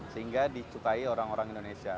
sehingga dicukai orang orang indonesia